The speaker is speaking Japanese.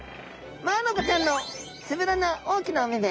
マアナゴちゃんのつぶらな大きなお目々。